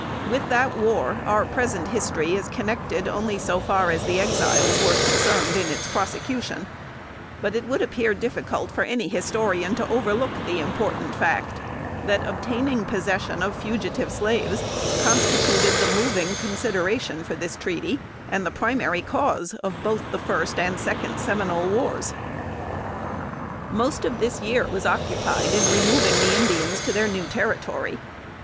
With that war, our present history is connected only so far as the Exiles were concerned in its prosecution; but it would appear difficult for any historian to overlook the important fact that obtaining possession of fugitive slaves constituted the moving consideration for this treaty, and the primary cause of both the first and second Seminole wars. [Sidenote: 1824.] Most of this year was occupied in removing the Indians to their new territory.